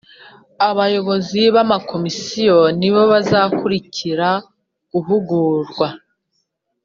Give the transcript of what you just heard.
Abayobozi b’ amakomisiyo nibo bazakurikira guhugurwa